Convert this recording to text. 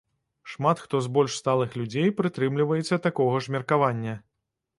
Шмат хто з больш сталых людзей прытрымліваецца такога ж меркавання.